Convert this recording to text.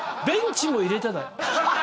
ベンチも入れてだよ。